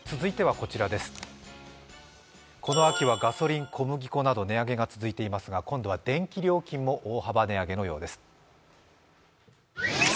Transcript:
この秋はガソリン、小麦粉など値上げが続いていますが、今度は電気料金も大幅値上げのようです。